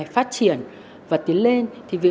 phát triển và tiến lên